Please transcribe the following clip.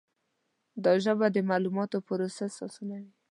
دا ژبه د معلوماتو پروسس آسانوي.